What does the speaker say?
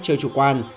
chơi chủ quan